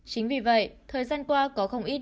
chính vì vậy thời gian qua có không ít